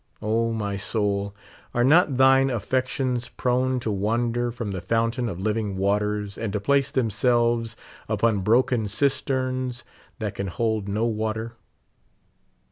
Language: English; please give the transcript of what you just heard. O, my soul, are not thine affections prone to wander from the fountain of living waters, and to place themselves upon broken cisterns, that can hold no water